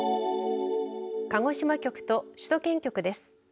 鹿児島局と首都圏局です。